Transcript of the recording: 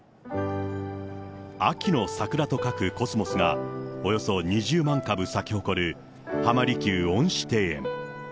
秋の桜と書くコスモスが、およそ２０万株咲き誇る浜離宮恩賜庭園。